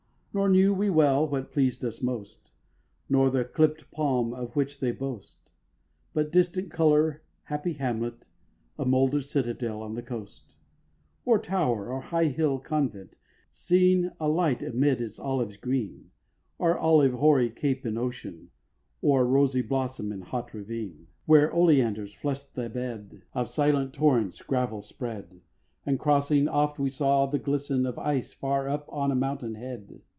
Nor knew we well what pleased us most, Not the clipt palm of which they boast; But distant colour, happy hamlet, A moulder'd citadel on the coast, Or tower, or high hill convent, seen A light amid its olives green; Or olive hoary cape in ocean; Or rosy blossom in hot ravine, Where oleanders flush'd the bed Of silent torrents, gravel spread; And, crossing, oft we saw the glisten Of ice, far up on a mountain head.